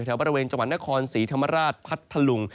แถวบริเวณจังหวัดนครศรีธรรมราชพัทธลุง